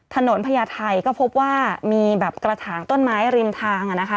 พญาไทยก็พบว่ามีแบบกระถางต้นไม้ริมทาง